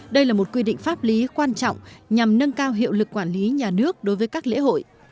đây là một quy định pháp lý quan trọng nhằm nâng cao hiệu lực quản lý nhà nước đối với các lễ hội